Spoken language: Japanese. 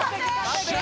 よっしゃ！